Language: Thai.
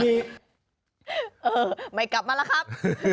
เออไม่กลับมาละครับ